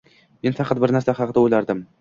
Men faqat bir narsa haqida o`ylardim